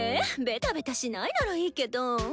ベタベタしないならいーけど。